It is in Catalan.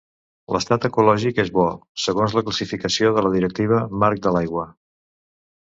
L'estat ecològic és Bo, segons la classificació de la Directiva Marc de l'Aigua.